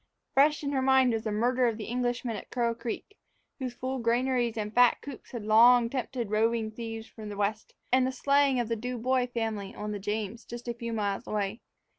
Fresh in her mind was the murder of the Englishman at Crow Creek, whose full granaries and fat coops had long tempted roving thieves from the west; and the slaying of the Du Bois family on the James, just a few miles away.